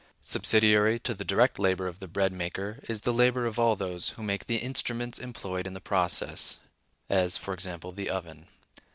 Subsidiary to the direct labor of the bread maker is the labor of all those who make the instruments employed in the process (as, e.g., the oven).